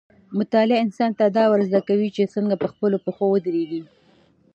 مطالعه انسان ته دا ورزده کوي چې څنګه په خپلو پښو ودرېږي.